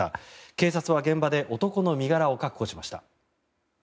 警察は現場で男の身柄を確保しました。